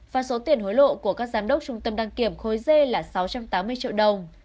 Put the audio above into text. và số tiền hối lộ của các giám đốc trung tâm đăng kiểm khối dê là sáu trăm tám mươi triệu đồng